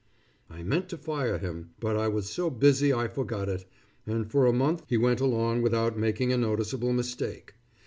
I meant to fire him, but I was so busy I forgot it, and for a month he went along without making a noticeable mistake.